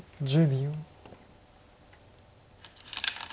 １０秒。